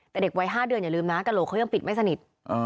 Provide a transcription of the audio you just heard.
แต่เด็กวัย๕เดือนอย่าลืมนะกระโหลกเขายังปิดไม่สนิท